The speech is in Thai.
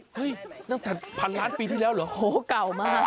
ตั้งแต่พันล้านปีที่แล้วเหรอโหเก่ามาก